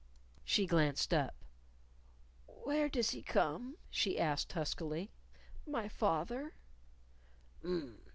She glanced up. "Where does he come?" she asked huskily; "my fath er?"